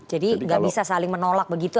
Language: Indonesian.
jadi nggak bisa saling menolak begitu